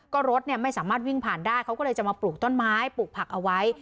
ก็รถไม่สามารถวิ่งผ่านได้เขาก็เลยจะมาปลูกต้นไม้ปลูกผักเอาไว้